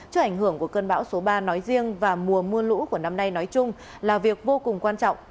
trước ảnh hưởng của cơn bão số ba nói riêng và mùa mưa lũ của năm nay nói chung là việc vô cùng quan trọng